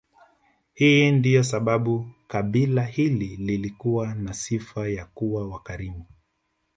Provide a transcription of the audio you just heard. Hii ndiyo sababu kabila hili lilikuwa na sifa ya kuwa wakarimu